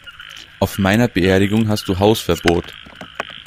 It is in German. Auf meiner Beerdigung hast du Hausverbot!